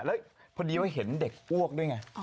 แล้วพอดีว่าเห็นเด็กอ้วกด้วยไง